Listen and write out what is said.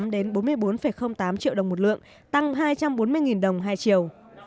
bốn mươi ba năm mươi tám đến bốn mươi bốn tám triệu đồng một lượng tăng hai trăm bốn mươi đồng hai triệu